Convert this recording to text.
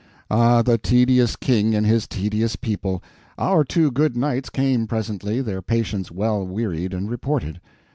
Ah, the tedious King and his tedious people! Our two good knights came presently, their patience well wearied, and reported.